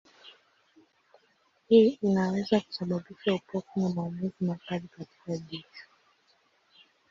Hii inaweza kusababisha upofu na maumivu makali katika jicho.